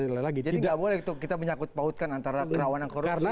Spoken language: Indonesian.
jadi tidak boleh kita menyakut pautkan antara kerawanan korupsi